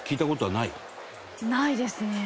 芦田：ないですね！